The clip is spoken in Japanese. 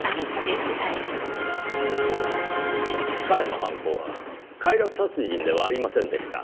彼の犯行は快楽殺人ではありませんでした。